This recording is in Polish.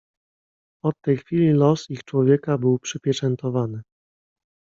"Od tej chwili los ich człowieka był przypieczętowany."